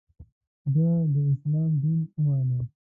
د ه داسلام دین ومانه.